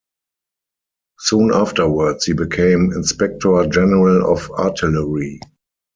Soon afterwards he became inspector-general of artillery.